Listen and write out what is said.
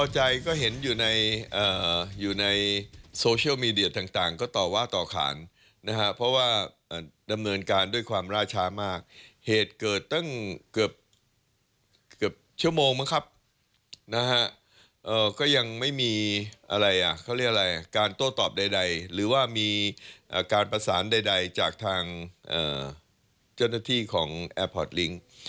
จากทางเจ้าหน้าที่ของแอร์พอร์ตลิงค์